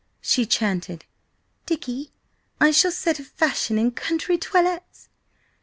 she chanted. "Dicky, I shall set a fashion in country toilettes!"